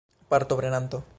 partoprenanto